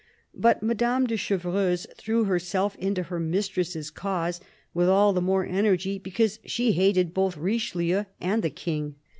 But Madame de Chevreuse threw herself into her mistress's cause with all the more energy because she hated both Richelieu and the King.